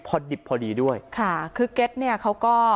พระเจ้าอาวาสกันหน่อยนะครับ